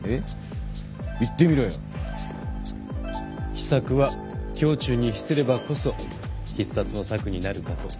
秘策は胸中に秘すればこそ必殺の策になるかと。